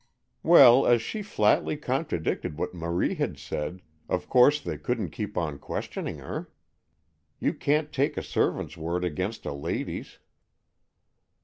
"Well, as she flatly contradicted what Marie had said, of course they couldn't keep on questioning her. You can't take a servant's word against a lady's."